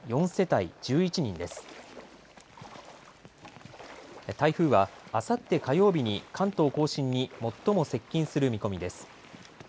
台風はあさって火曜日に関東甲信に最も接近する見込みです。